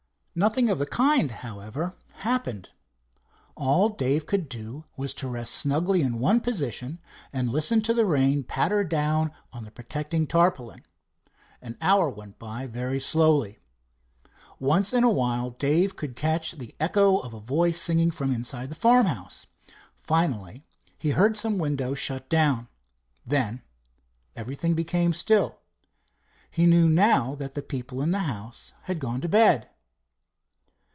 Nothing of the kind, however, happened. All Dave could do was to rest snugly in one position and listen to the rain patter down on the protecting tarpaulin. An hour went by very slowly. Once in a while Dave could catch the echo of a voice singing inside the farm house. Finally he heard some windows shut down. Then everything became still. He knew now that the people in the house had gone to bed.